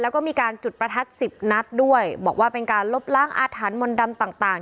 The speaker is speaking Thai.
แล้วก็มีการจุดประทัดสิบนัดด้วยบอกว่าเป็นการลบล้างอาถรรพมนต์ดำต่างต่าง